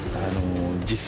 実際。